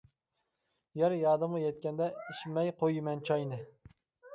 يار يادىمغا يەتكەندە، ئىچمەي قۇيىمەن چاينى.